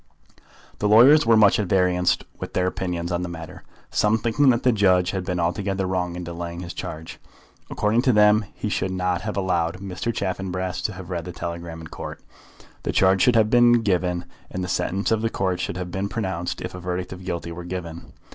The lawyers were much at variance with their opinions on the matter, some thinking that the judge had been altogether wrong in delaying his charge. According to them he should not have allowed Mr. Chaffanbrass to have read the telegram in Court. The charge should have been given, and the sentence of the Court should have been pronounced if a verdict of guilty were given.